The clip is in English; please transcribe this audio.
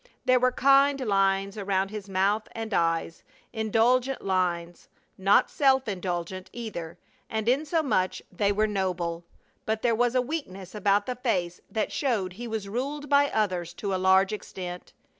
There were kind lines around his mouth and eyes, indulgent lines not self indulgent, either, and insomuch they were noble but there was a weakness about the face that showed he was ruled by others to a large extent.